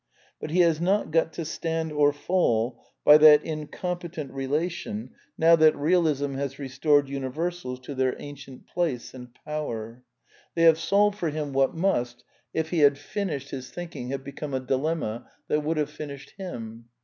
But he has not got to stand or fall by that incompetent relation now that Eealism has restored universals to their ancient place and power. They have solved for him what must, if he had finished 236 A DEFENCE OF IDEALISM his thinking, have become a dilemma that would have finished him.